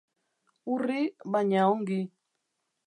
Urri, baina ongi.